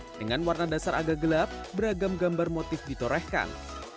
dengan warna dasar agak gelap beragam gambar motif ditorehkan